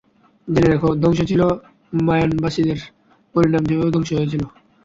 জেনে রেখো, ধ্বংস ছিল মায়ানবাসীদের পরিণাম যেভাবে ধ্বংস হয়েছিল।